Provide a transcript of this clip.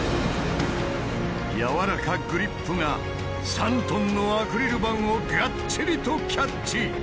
やわらかグリップが３トンのアクリル板をがっちりとキャッチ。